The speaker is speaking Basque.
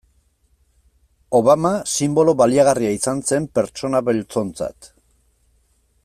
Obama sinbolo baliagarria izan zen pertsona beltzontzat.